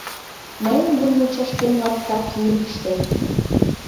Мыйын вуй мучашкем лапка кӱйым пыштен